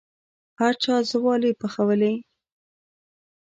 هر چا ځوالې پخولې.